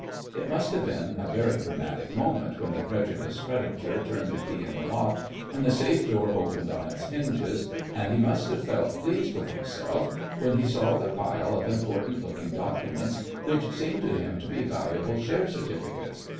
It must have been a very dramatic moment when the credulous creditor turned the key in the lock and the safe door opened on its hinges, and he must have felt pleased with himself when he saw the pile of important looking documents which seemed to him to be valuable share certificates.